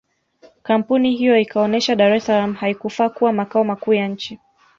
Kampuni hiyo ikaonesha Dar es salaam haikufaa kuwa makao makuu ya nchi